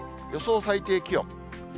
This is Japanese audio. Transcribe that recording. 予想最低気温。